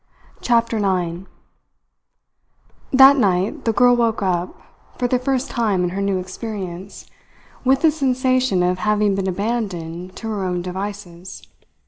CHAPTER NINE That night the girl woke up, for the first time in her new experience, with the sensation of having been abandoned to her own devices.